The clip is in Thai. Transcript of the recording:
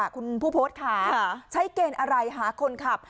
คุณผู้โพสต์ค่ะใช้เกณฑ์อะไรหาคนขับ